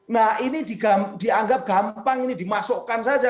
nah ini dianggap gampang ini dimasukkan saja